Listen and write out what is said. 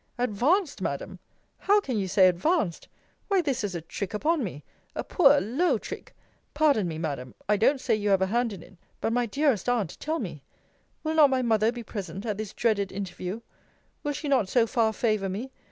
Advanced, Madam! How can you say advanced? Why, this is a trick upon me! A poor low trick! Pardon me, Madam, I don't say you have a hand in it. But, my dearest Aunt, tell me, Will not my mother be present at this dreaded interview? Will she not so far favour me?